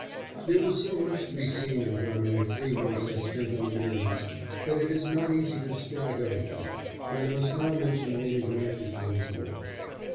There was so much to be seen and done in the three months I spent in the Near East that it is not easy to describe everything, and I must now mention only one or two things more.